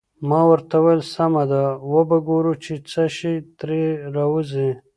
ما ورته وویل: سمه ده، وبه ګورو چې څه شي ترې راوزي.